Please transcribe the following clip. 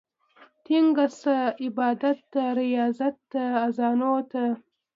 ټينګ شه عبادت ته، رياضت ته، اذانونو ته